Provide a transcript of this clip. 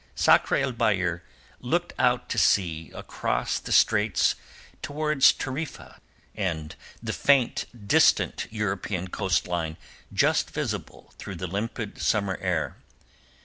Sakr el Bahr looked out to sea across the straits towards Tarifa and the faint distant European coastline just visible through the limpid summer air.